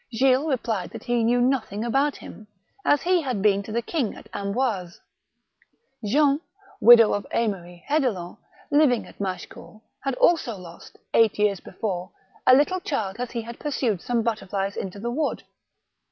Gilles replied that he knew nothing about him, as he had been to the king at Amboise. Jeanne, widow of Aymery Hedelin, living at Mache coul, had also lost, eight years before, a little child as he had pursued some butterflies into the wood.